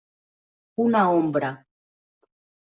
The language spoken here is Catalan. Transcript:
Una ombra.